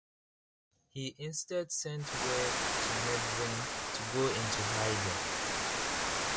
He instead sent word to Methven to go into hiding.